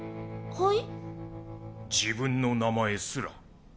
はい？